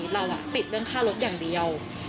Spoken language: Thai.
เราติดเรื่องค่ารถอย่างเดียว